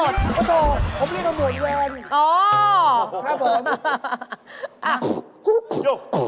โอโธ่ผมเรียกว่าหมวดเย็น